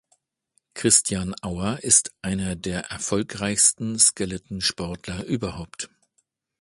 Christian Auer ist einer der erfolgreichsten Skeletonsportler überhaupt.